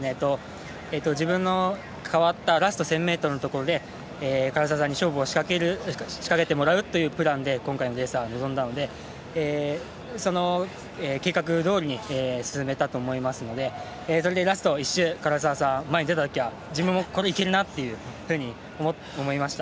自分の代わったラスト１０００ｍのところで唐澤さんに勝負を仕掛けてもらうというプランで今回のレースは臨んだのでその計画どおりに進めたと思いますのでそれでラスト１周、唐澤さんが前に出たときは、いけるなって思いました。